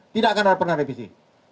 tidak akan pernah merevisi